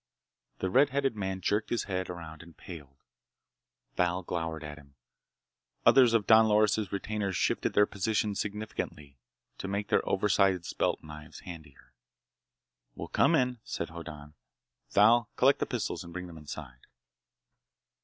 The red headed man jerked his head around and paled. Thal glowered at him. Others of Don Loris' retainers shifted their positions significantly, to make their oversized belt knives handier. "We'll come in," said Hoddan. "Thal, collect the pistols and bring them inside."